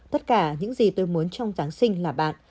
tất cả những gì tôi muốn trong giáng sinh là bạn